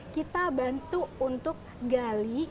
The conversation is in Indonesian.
kita bantu untuk gali